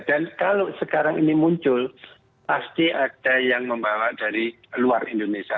dan kalau sekarang ini muncul pasti ada yang membawa dari luar indonesia